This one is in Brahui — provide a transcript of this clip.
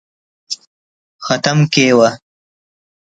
ختم کیوہ